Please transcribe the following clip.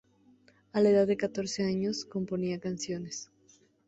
A la edad de catorce años, componía canciones.